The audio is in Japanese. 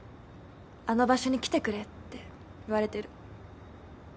あの場所に来てくれって言われてる。